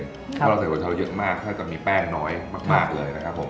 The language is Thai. เพราะเราใส่หัวเช้าเยอะมากถ้าจะมีแป้งน้อยมากเลยนะครับผม